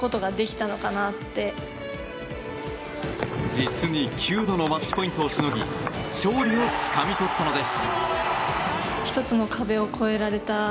実に９度のマッチポイントをしのぎ勝利をつかみ取ったのです。